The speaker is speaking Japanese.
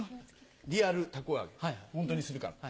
リアル凧揚げホントにするから。